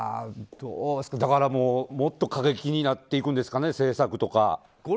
だから、もっと過激になっていくんですかね政策とか。